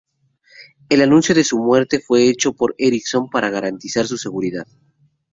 El anuncio de su muerte fue hecho por Erickson para garantizar su seguridad.